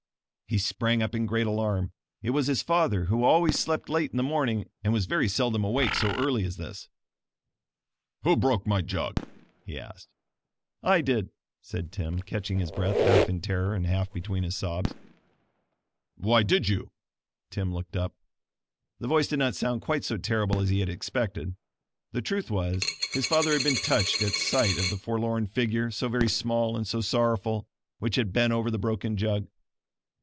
He sprang up in great alarm. It was his father, who always slept late in the morning, and was very seldom awake so early as this. "Who broke my jug?" he asked. "I did," said Tim, catching his breath half in terror and half between his sobs. "Why did you?" Tim looked up. The voice did not sound quite so terrible as he had expected. The truth was his father had been touched at sight of the forlorn figure, so very small and so sorrowful, which had bent over the broken jug.